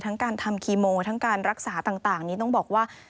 การทำคีโมทั้งการรักษาต่างนี้ต้องบอกว่า